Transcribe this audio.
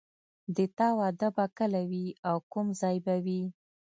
د تا واده به کله وي او کوم ځای به وي